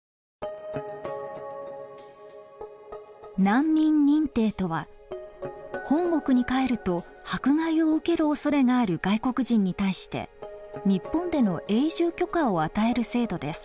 難民認定とは本国に帰ると迫害を受けるおそれがある外国人に対して日本での永住許可を与える制度です。